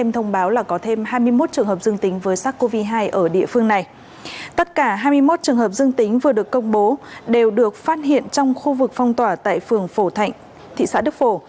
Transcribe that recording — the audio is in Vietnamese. một trường hợp dương tính vừa được công bố đều được phát hiện trong khu vực phong tỏa tại phường phổ thạnh thị xã đức phổ